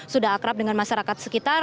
sudah akrab dengan masyarakat sekitar